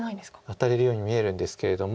ワタれるように見えるんですけれども。